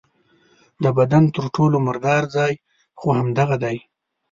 د بدن تر ټولو مردار ځای خو همدغه دی.